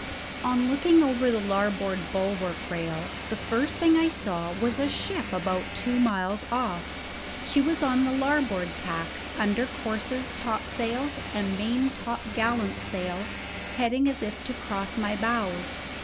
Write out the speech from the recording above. On looking over the larboard bulwark rail, the first thing I saw was a ship about two miles off. She was on the larboard tack, under courses, topsails, and main topgallant sail, heading as if to cross my bows.